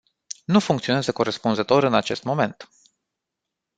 Nu funcționează corespunzător în acest moment.